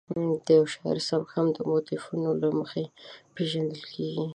د یو شاعر سبک هم د موتیفونو له مخې پېژندل کېږي.